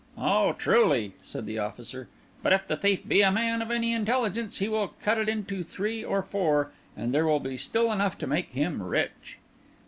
"Oh, truly!" said the officer; "but if the thief be a man of any intelligence, he will cut it into three or four, and there will be still enough to make him rich."